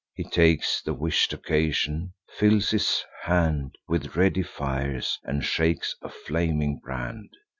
He takes the wish'd occasion, fills his hand With ready fires, and shakes a flaming brand.